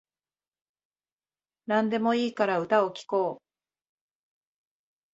なんでもいいから歌を聴こう